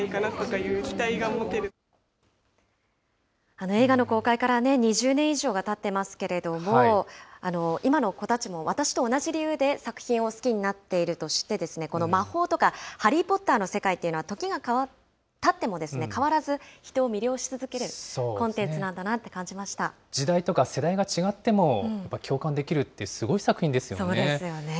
あの映画の公開から２０年以上がたってますけれども、今の子たちも、私と同じ理由で作品を好きになっていると知って、この魔法とかハリー・ポッターの世界というのは、時がたっても変わらず人を魅了し続けるコンテンツなんだなって感時代とか世代が違っても、共そうですよね。